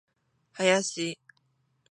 林